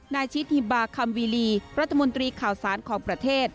ชิดฮิบาคัมวีลีรัฐมนตรีข่าวสารของประเทศ